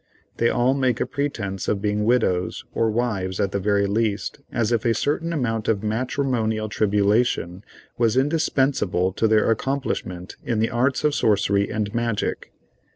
They all make a pretence of being widows, or wives at the very least, as if a certain amount of matrimonial tribulation was indispensable to their accomplishment in the arts of sorcery and magic.